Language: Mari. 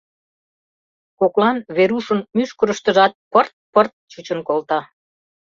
Коклан Верушын мӱшкырыштыжат пырт-пырт чучын колта.